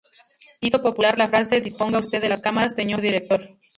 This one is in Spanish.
Hizo popular la frase "Disponga usted de las cámaras, señor director".